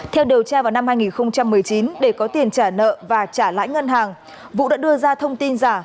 theo điều tra vào năm hai nghìn một mươi chín để có tiền trả nợ và trả lãi ngân hàng vũ đã đưa ra thông tin giả